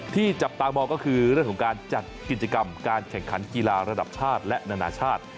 จับตามองก็คือเรื่องของการจัดกิจกรรมการแข่งขันกีฬาระดับชาติและนานาชาติ